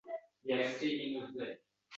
U hali bola edim.